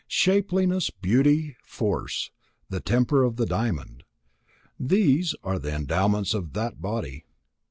Shapeliness, beauty, force, the temper of the diamond: these are the endowments of that body.